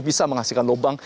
bisa menghasilkan lubang